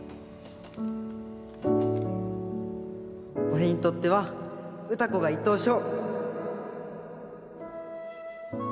俺にとっては歌子が１等賞。